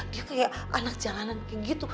dia kayak anak jalanan kayak gitu